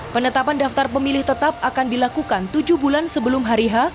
penetapan daftar pemilih tetap akan dilakukan tujuh bulan sebelum hari h